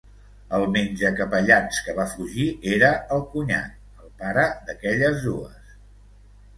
El menjacapellans que va fugir era el cunyat, el pare d'aquelles dues.